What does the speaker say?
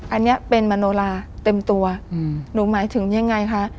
อันนี้เป็นมโนลาเต็มตัวหนูหมายถึงยังไงคะ